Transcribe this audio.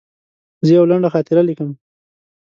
زه یوه لنډه خاطره لیکم.